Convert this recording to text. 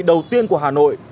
đầu tiên của hà nội